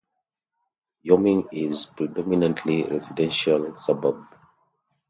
Wyoming is a predominately residential suburb.